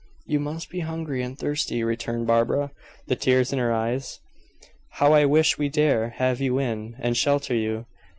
"You must be hungry and thirsty," returned Barbara, the tears in her eyes. "How I wish we dare have you in, and shelter you.